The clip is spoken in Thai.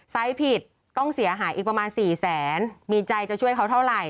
ผิดต้องเสียหายอีกประมาณ๔แสนมีใจจะช่วยเขาเท่าไหร่